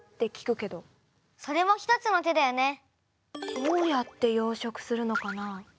どうやって養しょくするのかな？